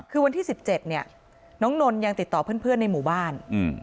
คือวันที่๑๗เนี่ยน้องนนทยังติดต่อเพื่อนในหมู่บ้าน